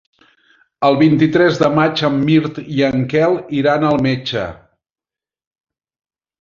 El vint-i-tres de maig en Mirt i en Quel iran al metge.